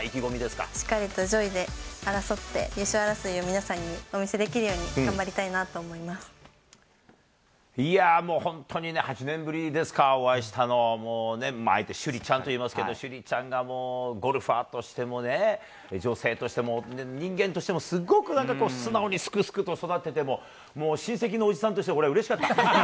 しっかりと上位で争って優勝争いを皆さんにお見せできるよういやぁ、もう本当にね、８年ぶりですか、お会いしたの、もう、あえて朱莉ちゃんと言いますけれども、朱莉ちゃんがもうゴルファーとしてもね、女性としても人間としてもすごくなんかこう、素直にすくすくと育ってて、もう親戚のおじさんとして、俺はうれしかった。